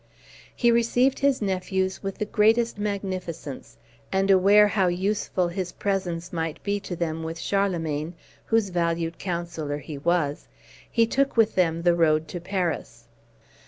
He received his nephews with the greatest magnificence; and, aware how useful his presence might be to them with Charlemagne, whose valued counsellor he was, he took with them the road to Paris.